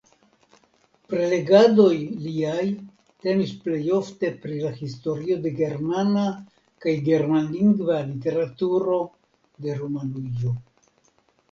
Prelegadoj liaj temis plejofte pri la historio de germana kaj germanlingva literaturo de Rumanujo.